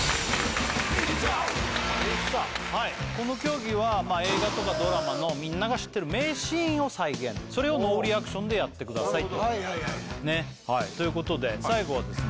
さあこの競技は映画とかドラマのみんなが知ってる名シーンを再現それをノーリアクションでやってくださいとということで最後はですね